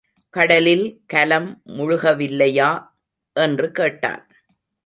கடலில் கலம் முழுகவில்லையா? என்று கேட்டான்.